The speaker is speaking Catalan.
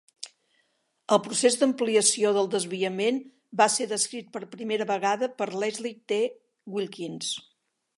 El procés d'amplificació del desviament va ser descrit per primera vegada per Leslie T. Wilkins.